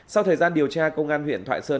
sau thời gian điều tra công an huyện thoại sơn